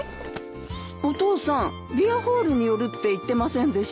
お父さんビアホールに寄るって言ってませんでした？